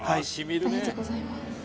ありがとうございます